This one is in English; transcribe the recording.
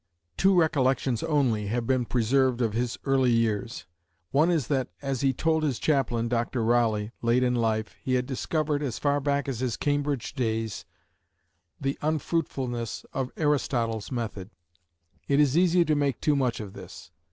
Two recollections only have been preserved of his early years. One is that, as he told his chaplain, Dr. Rawley, late in life, he had discovered, as far back as his Cambridge days, the "unfruitfulness" of Aristotle's method. It is easy to make too much of this.